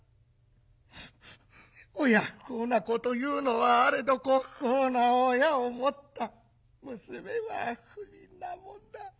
親不孝な子というのはあれど子不孝な親を持った娘はふびんなもんだ。